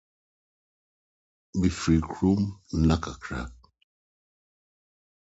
Mɛfi kurom nna kakra.